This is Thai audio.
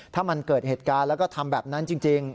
ถ้ามันเกิดเหตุการณ์แล้วก็ทำแบบนั้นจริง